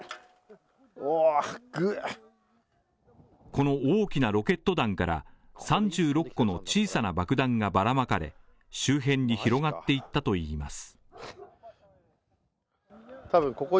この大きなロケット弾から３６個の小さな爆弾がばらまかれ、周辺に広がっていったといいます。